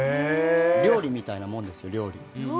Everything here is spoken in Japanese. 料理みたいなもんです。